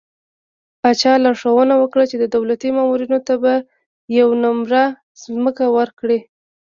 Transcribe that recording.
پاچا لارښوونه وکړه چې د دولتي مامورينو ته به يوه نمره ځمکه ورکړي .